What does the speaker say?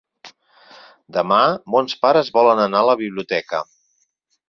Demà mons pares volen anar a la biblioteca.